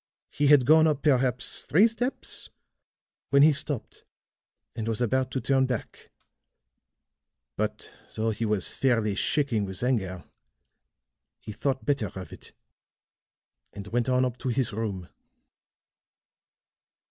He had gone up perhaps three steps when he stopped and was about to turn back; but, though he was fairly shaking with anger, he thought better of it and went on up to his room."